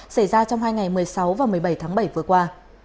xảy ra trong hai ngày một mươi sáu và một mươi bảy tháng bảy vừa qua